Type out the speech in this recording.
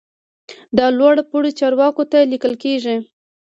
دا لوړ پوړو چارواکو ته لیکل کیږي.